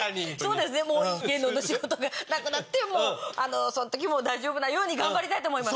そうですね芸能の仕事がなくなってもその時も大丈夫なように頑張りたいと思います。